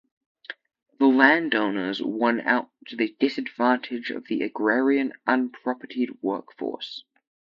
The landowners won out to the disadvantage of the agrarian unpropertied workforce.